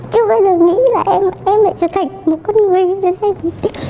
chưa bao giờ nghĩ là em lại trở thành một con người như thế này